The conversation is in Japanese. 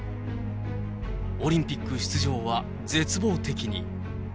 オリンピック出場は絶望的に。